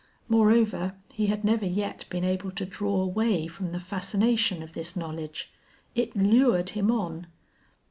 Moreover, he had never yet been able to draw away from the fascination of this knowledge. It lured him on.